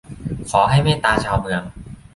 ขอให้เมตตาชาวเมือง